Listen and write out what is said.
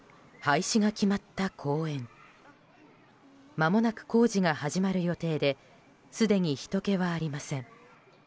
まもなく工事が始まる予定ですでに、ひとけはありません。